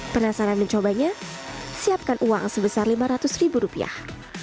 penasaran mencobanya siapkan uang sebesar lima ratus ribu rupiah